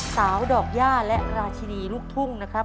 ดอกย่าและราชินีลูกทุ่งนะครับ